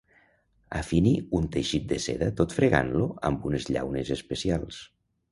Afini un teixit de seda tot fregant-lo amb unes llaunes especials.